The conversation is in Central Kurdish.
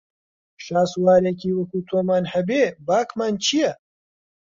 شاسوارێکی وەکوو تۆمان هەبێ باکمان چییە